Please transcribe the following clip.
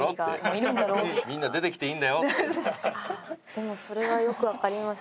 でもそれはよくわかります。